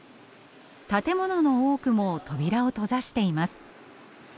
建物の多くも扉を閉ざしています。